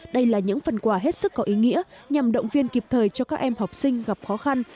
đây là những phần quà hết sức có ý nghĩa nhằm động viên kịp thời cho các em học sinh gặp khó khăn